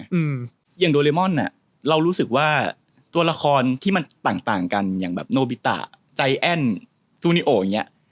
อย่างโดเรมอนอ่ะเรารู้สึกว่าตัวละครที่มันต่างต่างกันอย่างแบบโนบิตะใจแอ้นทูนิโออย่างเงี้ย